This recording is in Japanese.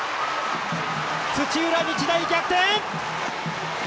土浦日大、逆転！